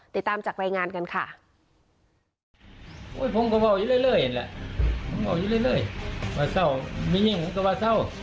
ติดตามจากรายงานกันค่ะ